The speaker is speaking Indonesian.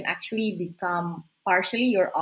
sekurang kurangnya pemanggilan anda